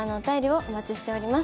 お待ちしております。